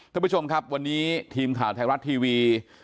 ท่านผู้ชมครับวันนี้ทีมข่าวไทยรัฐทีวี